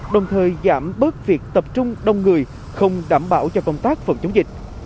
đồng thời giảm bớt việc tập trung đông người không đảm bảo cho công tác phòng chống dịch